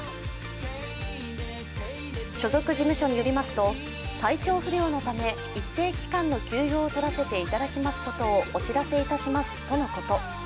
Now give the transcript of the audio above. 所属事務所によりますと体調不良のため一定期間の休養をとらせていただきますことをお知らせいたしますとのこと。